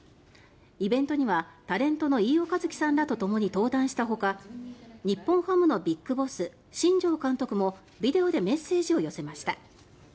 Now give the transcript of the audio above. イベントには、タレントの飯尾和樹さんらとともに登壇したほか日本ハムのＢＩＧＢＯＳＳ新庄監督もビデオでメッセージを寄せました。